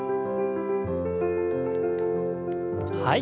はい。